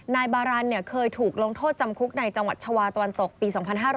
นายบารันเคยถูกลงโทษจำคุกในจังหวัดชาวาตะวันตกปี๒๕๕๙